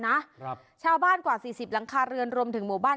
นะครับชาวบ้านกว่าสี่สิบหลังคาเรือนรวมถึงหมู่บ้าน